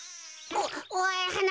おいはな